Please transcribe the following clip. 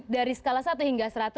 dari skala satu hingga seratus